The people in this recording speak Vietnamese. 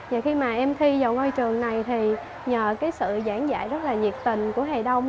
và khi mà em thi vào ngôi trường này thì nhờ cái sự giảng dạy rất là nhiệt tình của thầy đông